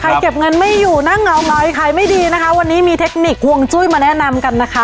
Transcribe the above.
เก็บเงินไม่อยู่นั่งเหงาไว้ขายไม่ดีนะคะวันนี้มีเทคนิคห่วงจุ้ยมาแนะนำกันนะคะ